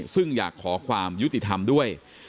ซึ่งอยากขอความยุติธรรมด้วย